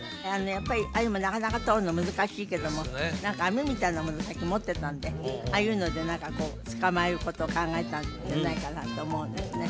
やっぱりアユもなかなかとるの難しいけども何か網みたいなものをさっき持ってたんでああいうので何かこう捕まえることを考えたんじゃないかなと思うんですね